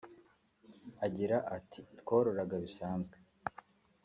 Agira ati “Twororaga bisanzwe